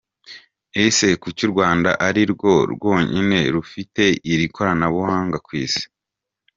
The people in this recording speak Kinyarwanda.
Ese kuki u Rwanda ari rwo rwonyine rufite iri koranabuhanga ku isi?.